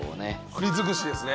栗尽くしですね